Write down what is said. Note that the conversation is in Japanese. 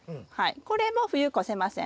これも冬越せません。